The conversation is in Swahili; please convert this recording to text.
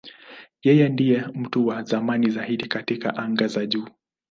Yeye ndiye mtu wa zamani zaidi katika anga za juu.